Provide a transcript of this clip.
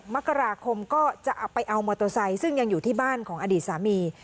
มกราคมก็จะเอาไปเอามอเตอร์ไซค์ซึ่งยังอยู่ที่บ้านของอดีตสามี